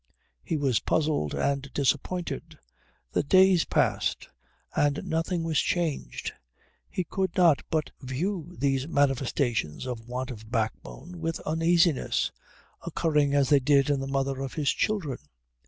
He was puzzled and disappointed. The days passed, and nothing was changed. He could not but view these manifestations of want of backbone with uneasiness, occurring as they did in the mother of his children.